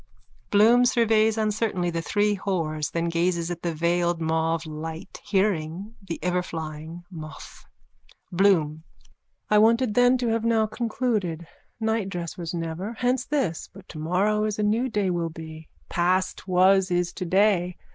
_ Keekeereekee! (Bloom surveys uncertainly the three whores then gazes at the veiled mauve light, hearing the everflying moth.) BLOOM: I wanted then to have now concluded. Nightdress was never. Hence this. But tomorrow is a new day will be. Past was is today.